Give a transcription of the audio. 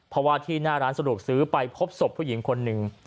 เพราะว่าที่หน้าร้านสะดวกซื้อไปพบศพผู้หญิงคนหนึ่ง